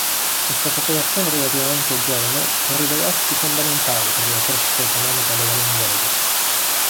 Questa popolazione relativamente giovane può rivelarsi fondamentale per la crescita economica della Mongolia.